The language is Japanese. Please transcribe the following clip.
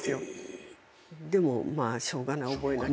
でもしょうがない覚えなきゃ。